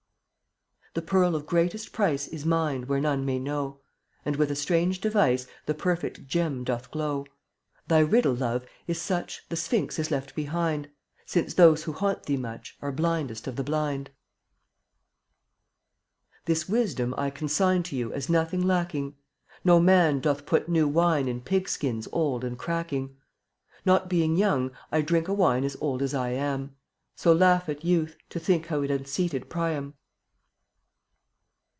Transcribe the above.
The pearl of greatest price Is mined where none may know; And with a strange device The perfect gem doth glow. Thy riddle, Love, is such The sphinx is left behind, Since those who haunt thee much Are blindest of the blind. 0Utt<J (rttttAtf This wisdom I consign fV% To you as nothing lacking: (JvC/ No man doth put new wine In pigskins old and cracking. Not being young, I drink A wine as old as I am. So laugh at youth, to think How it unseated Priam.